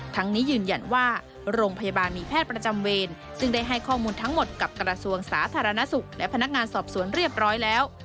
ทั้งนี้ยืนยันว่าโรงพยาบาลมีแพทย์ประจำเวรซึ่งได้ให้ข้อมูลทั้งหมดกับกระทรวงสาธารณสุขและพนักงานสอบสวนเรียบร้อยแล้ว